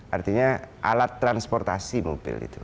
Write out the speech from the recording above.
artinya alat transportasi mobil itu